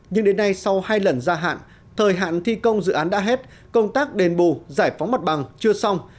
nhưng đến nay sau hai lần gia hạn thời hạn thi công dự án đã hết công tác đền bù giải phóng mặt bằng chưa xong